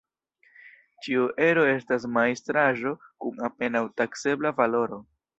Ĉiu ero estas majstraĵo kun apenaŭ taksebla valoro.